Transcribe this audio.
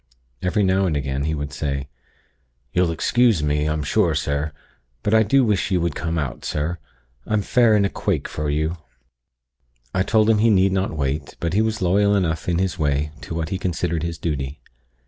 Every now and again, he would say: 'You'll excuse me, I'm sure, sir; but I do wish you would come out, sir. I'm fair in a quake for you.' "I told him he need not wait; but he was loyal enough in his way to what he considered his duty.